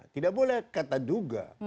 tidak boleh kata duga